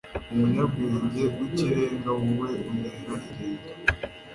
Umunyabwenge w'ikirenga wowe untera ingendo